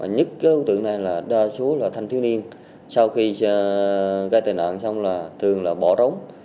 nhất đối tượng này đa số là thanh thiếu niên sau khi gây tai nạn xong thường bỏ rống